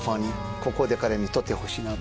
ここで彼にとってほしいなと。